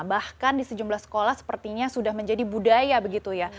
bahkan di sejumlah sekolah sepertinya sudah menjadi budaya begitu ya